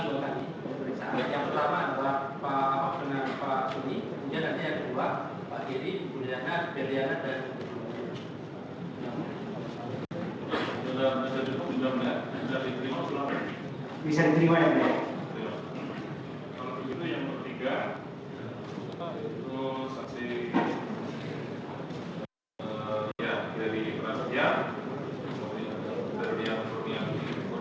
oleh karena itu berpendapat bahwa penulisan berani penulisan